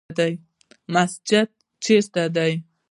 مسجد چیرته دی؟